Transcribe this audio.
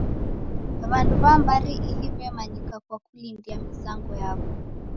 W'andu w'a mbari ihi w'emanyika kwa kulindia mizango yaw'o.